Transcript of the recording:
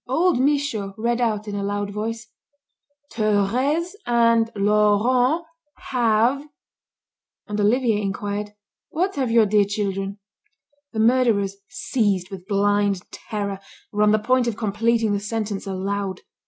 Old Michaud read out in a loud voice: "_Thérèse and Laurent have _" And Olivier inquired: "What have your dear children?" The murderers, seized with blind terror, were on the point of completing the sentence aloud.